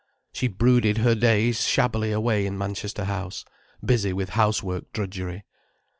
She brooded her days shabbily away in Manchester House, busy with housework drudgery.